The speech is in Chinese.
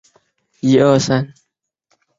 簇花蛇根草为茜草科蛇根草属的植物。